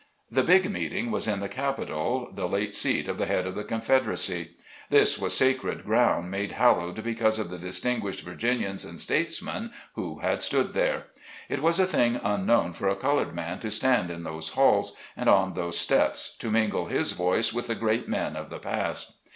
The big meeting was in the capitol, the late seat of the head of the Confederacy. This was sacred ground made hallowed because of the distinguished Virginians and statesmen who had stood there. It was a thing unknown for a colored man to stand in those halls and on those steps to mingle his voice with the great men of the past.